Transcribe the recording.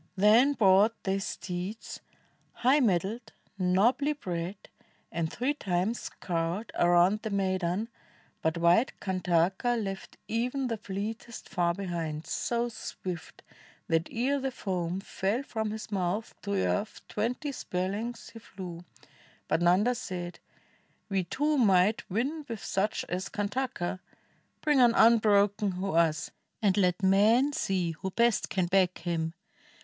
Then brought they steeds, High mettled, nobly bred, and three times scoured Around the maidan, but white Kantaka 36 STORIES UF BUDDHA Left even the fleetest far behind — so swift, That ere the foam fell from his mouth to earth Twenty spcar lengths he flew; but Nanda said, "We too might win with such as Kantaka; Bring an unbroken horse, and let men see Who best can back him."